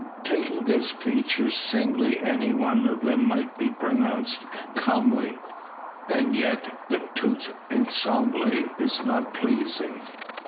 Taking his features singly, any of them might be pronounced comely. And yet the tout ensemble is not pleasing.